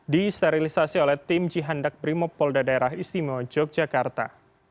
disterilisasi oleh tim cihandak brimob polda daerah istimewa yogyakarta